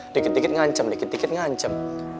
dikit dikit ngancam dikit dikit ngancem